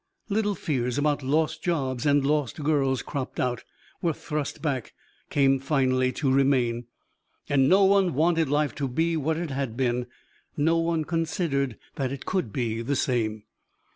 Little fears about lost jobs and lost girls cropped out, were thrust back, came finally to remain. And no one wanted life to be what it had been; no one considered that it could be the same.